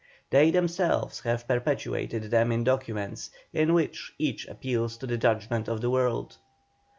They themselves have perpetuated them in documents, in which each appeals to the judgment of the world.